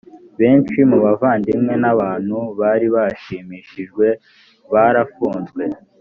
benshi mu bavandimwe n’abantu bari bashimishijwe barafunzwe